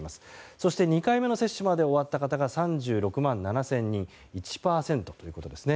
そして、２回目の接種まで終わった方が３６万７０００人１％ということですね。